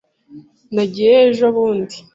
Nagiyeyo ejobundi.